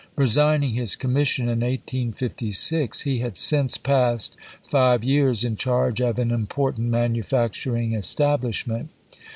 Resign ing his commission in 1856, he had since passed five years in charge of an important manufacturing establishment.